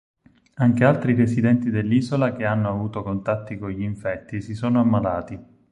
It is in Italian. Anche altri residenti dell'isola che hanno avuto contatti con gli infetti si sono ammalati.